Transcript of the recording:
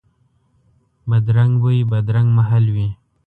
بدرنګ بوی، بدرنګ محل وي